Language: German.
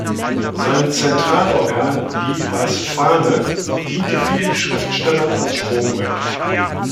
Sein Zentralorgan, die "Weiße Fahne", diente vielen Schriftstellern als Sprungbrett.